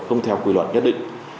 không theo quy luật nhất định